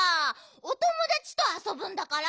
おともだちとあそぶんだから。